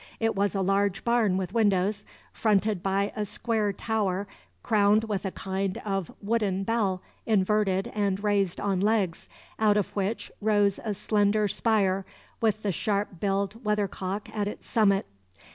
It was a large barn with windows, fronted by a square tower crowned with a kind of wooden bell inverted and raised on legs, out of which rose a slender spire with the sharp billed weathercock at its summit.